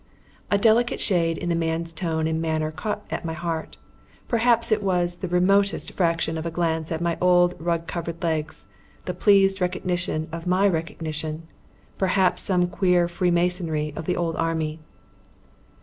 A delicate shade in the man's tone and manner caught at my heart. Perhaps it was the remotest fraction of a glance at my rug covered legs, the pleased recognition of my recognition, ... perhaps some queer freemasonry of the old Army.